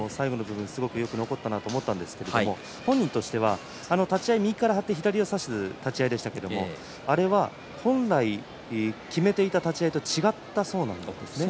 よく残ったと思ったんですが本人としては立ち合い右から張って左を差す立ち合いでしたが、あれは本来決めていた立ち合いとは違ったそうなんです。